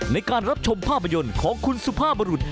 ในการรับชมภาพยนตร์ของคุณสุภาพบรุษ